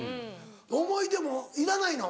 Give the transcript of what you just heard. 思い出もいらないの？